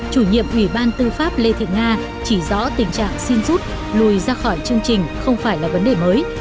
chủ nhiệm ủy ban tư pháp lê thị nga chỉ rõ tình trạng xin rút lùi ra khỏi chương trình không phải là vấn đề mới